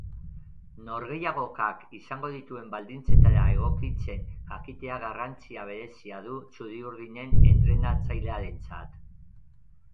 Norgehiagokak izango dituen baldintzetara egokitzen jakiteak garrantzia berezia du txuri-urdinen entrenatzailearentzat.